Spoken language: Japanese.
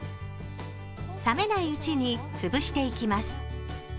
覚めないうちに潰していきます。